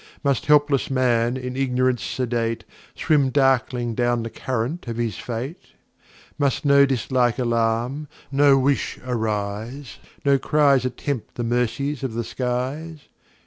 Must helpless Man, in Ignorance sedate, Swim darkling down the Current of his Fate? Must no Dislike alarm, no Wishes rise, No Cries attempt the Mercies of the Skies?